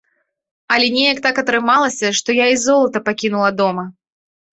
Але неяк так атрымалася, што я і золата пакінула дома.